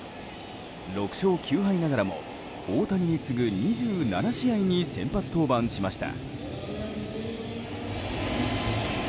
６勝９敗ながらも大谷に次ぐ２７試合に先発登板しました。